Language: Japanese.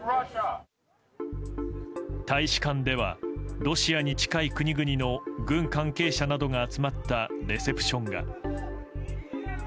大使館ではロシアに近い国々の軍関係者などが集まったレセプションが。